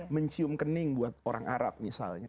mencium kening buat orang arab misalnya